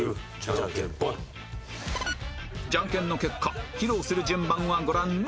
ジャンケンの結果披露する順番はご覧のとおり